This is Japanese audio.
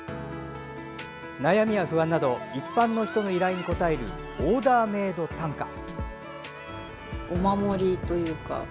悩みや不安など一般の人の依頼に応えるオーダーメード短歌。